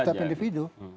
iya setiap individu